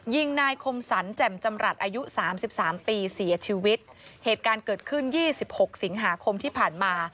ยิงนายคมสันแจ่มจำรัดอายุ๓๓ปีเสียชีวิตเหตุการณ์เกิดขึ้น๒๖สิงหาคมที่ผ่านมา